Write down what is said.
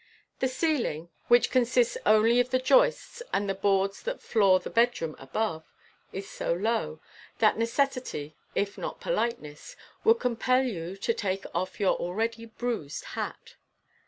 The ceiling, which consists only of the joists and the boards that floor the bedroom above, is so low, that necessity, if not politeness, would compel you to take off your already bruised hat.